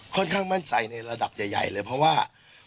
ค่อนข้างมั่นใจในระดับใหญ่เลยเพราะว่า